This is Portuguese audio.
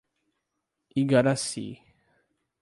Igaracy